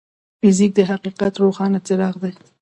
فزیک د حقیقت روښانه څراغ دی.